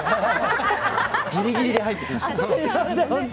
ギリギリで入ってきました。